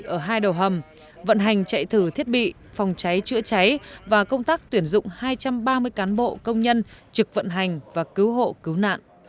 ở hai đầu hầm vận hành chạy thử thiết bị phòng cháy chữa cháy và công tác tuyển dụng hai trăm ba mươi cán bộ công nhân trực vận hành và cứu hộ cứu nạn